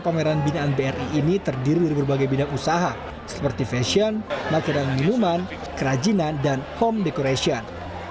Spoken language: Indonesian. pameran binaan bri ini terdiri dari berbagai bidang usaha seperti fashion makanan minuman kerajinan dan home decoration